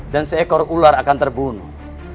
dan seekor ular akan terbunuh